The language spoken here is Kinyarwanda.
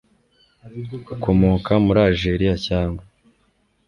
ukomoka muri Algeria cyangwa